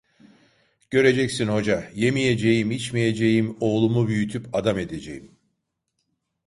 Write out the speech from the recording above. Göreceksin Hoca, yemeyeceğim, içmeyeceğim, oğlumu büyütüp adam edeceğim.